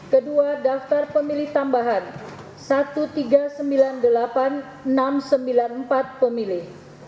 kedua daftar pemilih tambahan satu tiga sembilan delapan enam sembilan empat pemilih